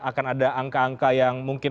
akan ada angka angka yang mungkin